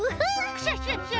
クシャシャシャ！